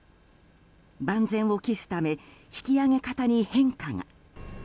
万全を期すため引き揚げ方に変化が。